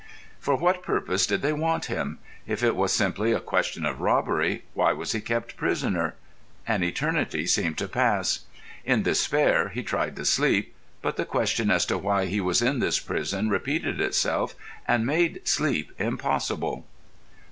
For what purpose did they want him? If it was simply a question of robbery, why was he kept prisoner? An eternity seemed to pass. In despair, he tried to sleep. But the question as to why he was in this prison repeated itself and made sleep impossible.